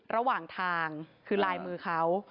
ระหว่างทางคือลายมือเขา